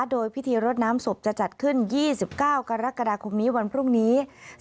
โดยพิธีรดน้ำศพจะจัดขึ้น๒๙กรกฎาคมนี้วันพรุ่งนี้